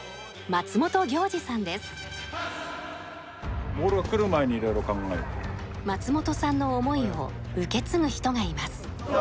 松本さんの思いを受け継ぐ人がいます。